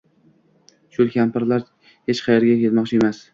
Chol -kampirlar hech qayerga ketmoqchi emas